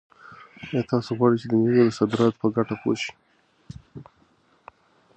آیا تاسو غواړئ چې د مېوو د صادراتو په ګټه پوه شئ؟